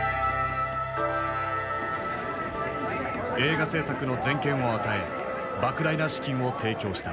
映画製作の全権を与え莫大な資金を提供した。